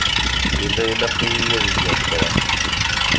Yella ilaq-iyi ad geɣ kra.